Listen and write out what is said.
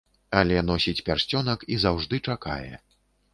Але носіць пярсцёнак і заўжды чакае.